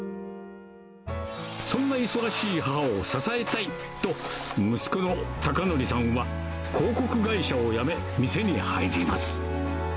そんな忙しい母を支えたいと、息子の孝紀さんは、広告会社を辞め、店に入ります。